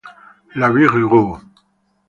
La Vieux-Rue